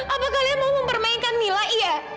apa kalian mau mempermainkan mila iya